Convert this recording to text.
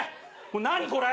何これ！？